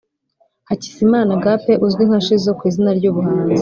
Hakizimana Agappe uzwi nka Shizzo ku izina ry'ubuhanzi